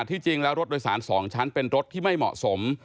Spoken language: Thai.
ที่จริงแล้วรถโดยสาร๒ชั้นเป็นรถที่ไม่เหมาะสม